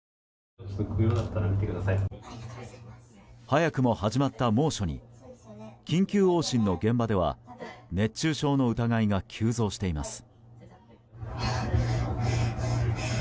早くも始まった猛暑に緊急往診の現場では熱中症の疑いが急増しています。